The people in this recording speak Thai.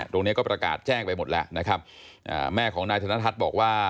ตรงนี้ก็ประกาศแจ้งไปหมดแล้วนะครับแม่ของนายธนทัศน์บอกว่า